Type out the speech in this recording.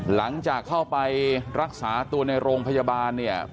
หลังจากเข้าไปรักษาตัวในโรงพยาบาลเนี่ย